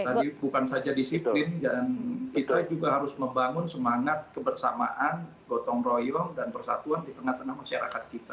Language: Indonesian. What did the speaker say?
tadi bukan saja disiplin dan kita juga harus membangun semangat kebersamaan gotong royong dan persatuan di tengah tengah masyarakat kita